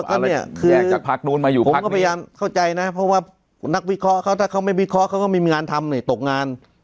อันนี้คือผมก็พยายามเข้าใจนะเพราะว่านักวิเคราะห์เขาถ้าเขาไม่วิเคราะห์เขาก็ไม่มีงานทำเนี่ยตกงาน